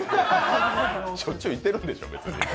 しょっちゅう行ってるんでしょ、別に。